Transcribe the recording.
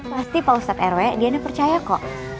pasti pak ustadz rw dia percaya kok